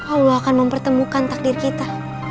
allah akan mempertemukan takdir kita